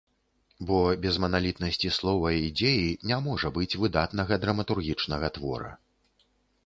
Бо без маналітнасці слова і дзеі не можа быць выдатнага драматургічнага твора.